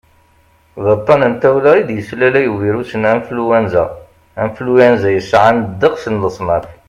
d aṭṭan n tawla i d-yeslalay ubirus n anflwanza influenza yesɛan ddeqs n leṣnaf